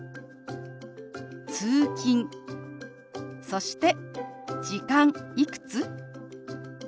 そして「時間」「いくつ？」。